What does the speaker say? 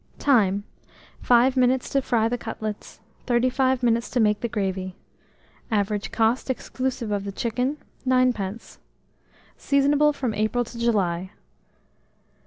Time. 5 minutes to fry the cutlets; 35 minutes to make the gravy. Average cost, exclusive of the chicken, 9d. Seasonable from April to July.